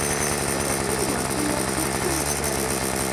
کتابچه د ماشوم لاس کې ښکلي ښکاري